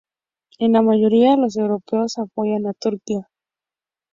En la mayoría, los europeos apoyaron a Turquía.